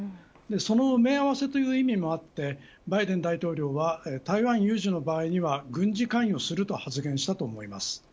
その埋め合わせという意味もあってバイデン大統領は台湾有事の場合には軍事関与すると発言したと思います。